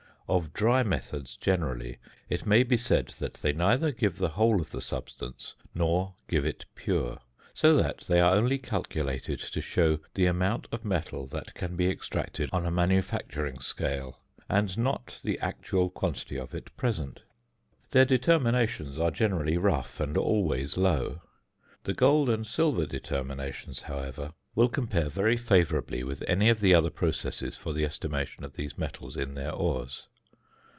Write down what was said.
Of dry methods generally, it may be said that they neither give the whole of the substance nor give it pure; so that they are only calculated to show the amount of metal that can be extracted on a manufacturing scale, and not the actual quantity of it present. Their determinations are generally rough and always low. The gold and silver determinations, however, will compare very favourably with any of the other processes for the estimation of these metals in their ores.